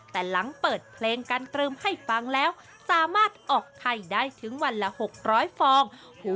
แต่หลังเปิดเพลงกันเติมให้ฟังแล้วสามารถออกไข่ได้ถึงวันละ๖๐๐ฟอง